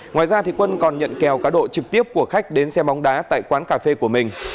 ngoài ra quân còn nhận kèo cá độ trực tiếp của khách đến xe bóng đá tại quán cà phê của mình